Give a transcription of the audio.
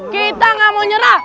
kita gak mau nyerah